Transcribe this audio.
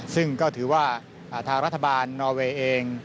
ซึ่งก็ถือว่าทางรัฐบาลนอเวย์เอง